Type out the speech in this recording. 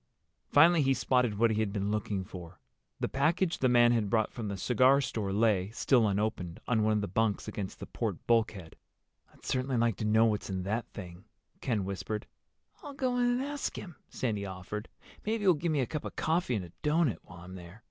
Finally he spotted what he had been looking for. The package the man had brought from the cigar store lay, still unopened, on one of the bunks against the port bulkhead. "I'd certainly like to know what's in that thing," Ken whispered. "I'll go in and ask him," Sandy offered. "Maybe he'll give me a cup of coffee and a doughnut while I'm there.